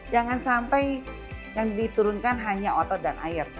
jangan sampai yang diturunkan hanya otot dan air